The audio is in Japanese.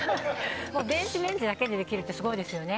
電子レンジだけでできるってすごいですね。